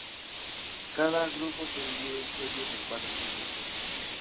Cada grupo se divide en series de cuatro equipos.